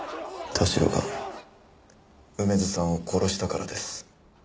田代が梅津さんを殺したからです。